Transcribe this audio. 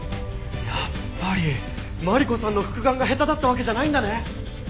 やっぱりマリコさんの復顔が下手だったわけじゃないんだね！